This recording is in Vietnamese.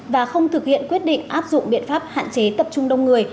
và không thực hiện quyết định áp dụng biện pháp hạn chế tập trung đông người